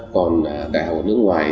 còn đại học ở nước ngoài